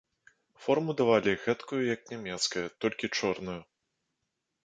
Форму давалі, гэткую, як нямецкая, толькі чорную.